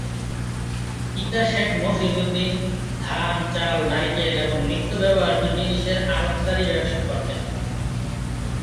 পিতা শেখ মফিজউদ্দীন ধান, চাল, নারিকেল এবং নিত্য ব্যবহার্য জিনিসের আড়তদারি ব্যবসা করতেন।